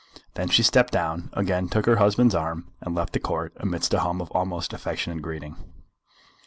Then she stepped down, again took her husband's arm, and left the Court amidst a hum of almost affectionate greeting.